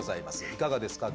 いかがですか？